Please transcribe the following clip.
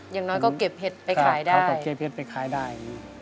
อย่างน้อยก็เก็บเห็ดไปขายได้